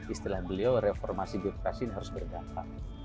istilah beliau reformasi birokrasi ini harus berdampak